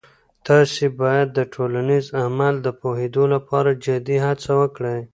تاسې باید د ټولنیز عمل د پوهیدو لپاره جدي هڅه وکړئ.